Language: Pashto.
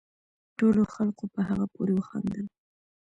ټولو خلقو په هغه پورې وخاندل